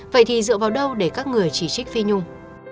vậy thì dựa vào đâu để các người chỉ trích phi nhung